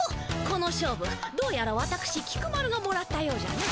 この勝負どうやらわたくし菊丸がもらったようじゃの。